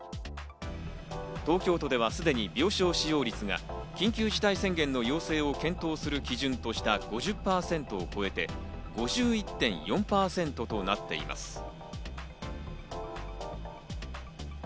東京都ではすでに病床使用率が緊急事態宣言の要請を検討する基準とした５０％を超えて、５１．４％となっています。